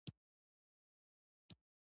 پښتو ته د پام ورکول د ټولنې د یووالي لامل ګرځي.